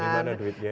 dari mana duitnya